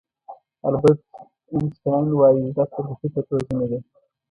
البرټ آینشټاین وایي زده کړه د فکر روزنه ده.